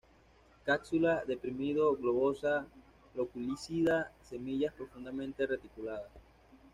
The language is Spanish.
Cápsula deprimido-globosa, loculicida; semillas profundamente reticuladas.